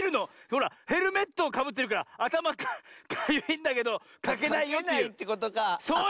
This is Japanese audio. ほらヘルメットをかぶってるからあたまかゆいんだけどかけないよっていう。